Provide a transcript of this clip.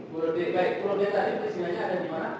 pulau d pulau d tadi persilanya ada di mana